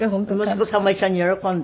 息子さんも一緒に喜んだ？